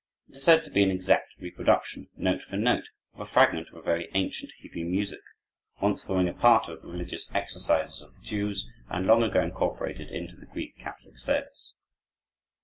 It is said to be an exact reproduction, note for note, of a fragment of very ancient Hebrew music, once forming a part of the religious exercises of the Jews and long ago incorporated into the Greek Catholic service.